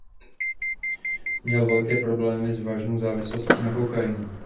Měl velké problémy s vážnou závislostí na kokainu.